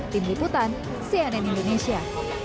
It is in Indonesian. tim liputan cnn indonesia